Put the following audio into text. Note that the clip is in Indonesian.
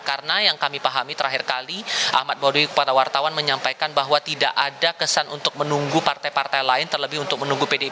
karena yang kami pahami terakhir kali ahmad baidowi kepada wartawan menyampaikan bahwa tidak ada kesan untuk menunggu partai partai lain terlebih untuk menunggu pdi perjuangan